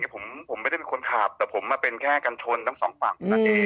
ผมไม่ได้คุณขาบแต่ผมเป็นแค่การชนซ้องฝั่ง